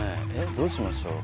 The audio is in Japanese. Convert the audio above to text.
どうしましょう？